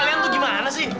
kalian tuh gimana sih